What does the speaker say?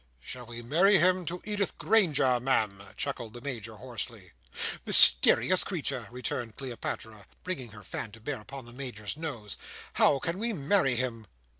"Shall we marry him to Edith Granger, Ma'am?" chuckled the Major, hoarsely. "Mysterious creature!" returned Cleopatra, bringing her fan to bear upon the Major's nose. "How can we marry him?"